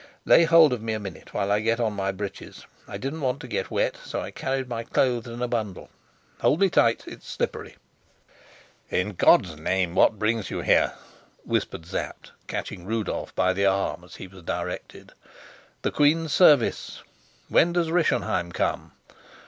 Lay hold of me a minute while I get on my breeches: I didn't want to get wet, so I carried my clothes in a bundle. Hold me tight, it's slippery." "In God's name what brings you here?" whispered Sapt, catching Rudolf by the arm as he was directed. "The queen's service. When does Rischenheim come?"